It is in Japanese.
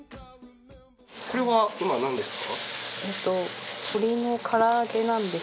これは今何ですか？